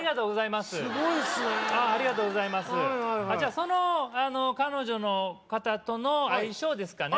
その彼女の方との相性ですかね？